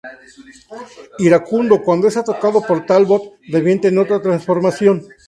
Iracundo cuando es atacado por Talbot, revienta en otra transformación.